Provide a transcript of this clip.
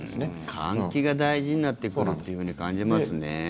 換気が大事になってくるって感じますね。